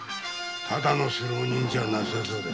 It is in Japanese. ただの素浪人じゃなさそうだ。